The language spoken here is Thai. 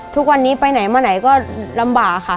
ทุกวันนี้ไปไหนมาไหนก็ลำบากค่ะ